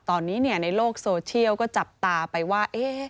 ตอนนี้ในโลกโซเชียลก็จับตาไปว่า